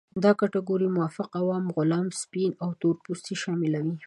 دا کټګورۍ مافوق، عوام، غلام، سپین او تور پوستې شاملوي.